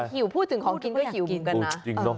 หิวพูดถึงของกินก็คิวกรุงกันนะ